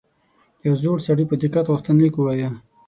یو زوړ سړي په دقت غوښتنلیک وایه.